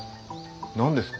何ですか？